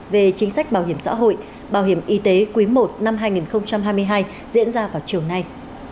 về chính sách bảo hiểm xã hội bảo hiểm y tế quý i năm hai nghìn hai mươi hai diễn ra vào chiều nay